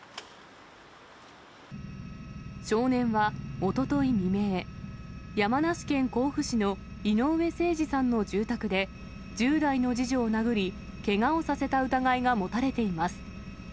少年はおととい未明、山梨県甲府市の井上盛司さんの住宅で、１０代の次女を殴り、けがをさせた疑いが持たれています。